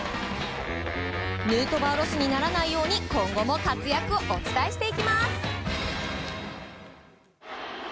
ヌートバーロスにならないように今後も活躍をお伝えしていきます。